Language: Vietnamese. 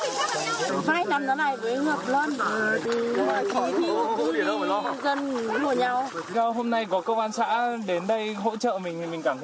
phải làm nó lại với ngược luôn